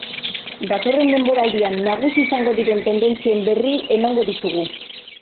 Datorren denboraldian nagusi izango diren tendentzien berri emango dizugu.